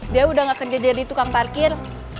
dia udah gak kerja jadi tukang parkir